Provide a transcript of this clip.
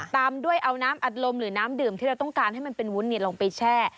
ตามด้วยเอาน้ำอัดลมหรือน้ำดื่มที่เราต้องการให้มันเป็นวุ้นลงไปแช่